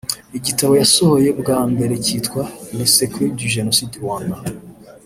Igitabo yasohoye bwa mbere cyitwa “Les secrets du genocide Rwanda”